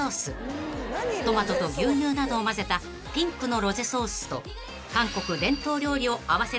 ［トマトと牛乳などを混ぜたピンクのロゼソースと］